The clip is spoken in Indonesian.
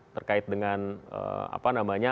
terkait dengan apa namanya